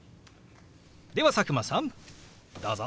では佐久間さんどうぞ！